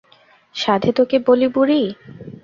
সাধে তোকে বলি বুড়ি?